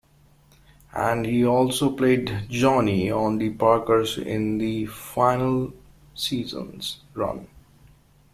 And he also played "Johnnie" on "The Parkers" in the final season's run.